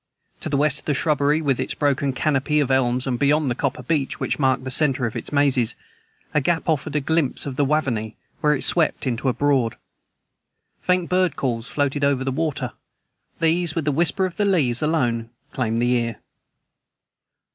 To the west of the shrubbery, with its broken canopy of elms and beyond the copper beech which marked the center of its mazes, a gap offered a glimpse of the Waverney where it swept into a broad. Faint bird calls floated over the water. These, with the whisper of leaves, alone claimed the ear.